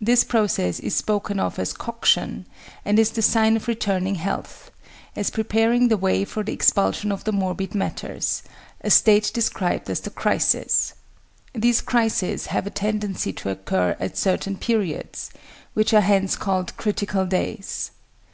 This process is spoken of as coction, and is the sign of returning health, as preparing the way for the expulsion of the morbid matters a state described as the crisis. These crises have a tendency to occur at certain periods, which are hence called critical days.